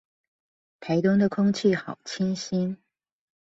台東的空氣好清新